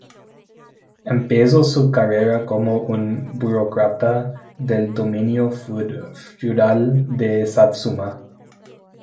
Empezó su carrera como un burócrata del dominio feudal de Satsuma.